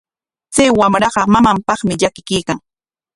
Chay wamraqa mamanpaqmi llakikuykan.